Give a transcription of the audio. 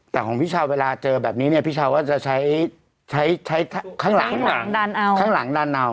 แต่ของพี่ชาวเวลาเจอแบบนี้เนี่ยพี่ชาวว่าจะใช้ข้างหลังดันเอา